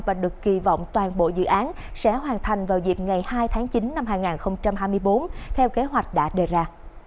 và được kỳ vọng toàn bộ dự án sẽ hoàn thành vào dịp ngày hai tháng chín năm hai nghìn hai mươi bốn theo kế hoạch đã đề ra